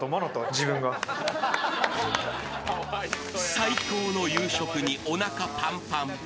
最高の夕食におなかパンパン。